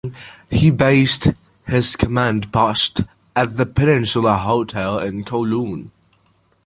He based his command post at the Peninsula Hotel in Kowloon.